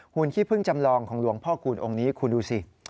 ขี้พึ่งจำลองของหลวงพ่อคูณองค์นี้คุณดูสิ